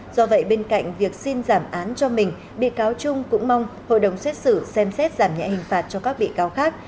do vậy bên cạnh việc xin giảm án cho mình bị cáo trung cũng mong hội đồng xét xử xem xét giảm nhẹ hình phạt cho các bị cáo khác